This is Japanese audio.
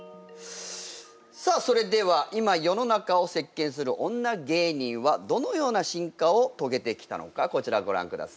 さあそれでは今世の中を席けんする女芸人はどのような進化を遂げてきたのかこちらご覧ください。